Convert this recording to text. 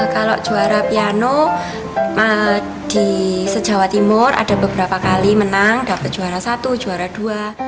kalau juara piano di sejawa timur ada beberapa kali menang dapat juara satu juara dua